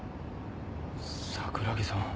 桜木さん